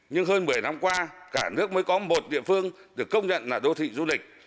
nhưng hơn một mươi năm qua cả nước mới có một địa phương được công nhận là đô thị du lịch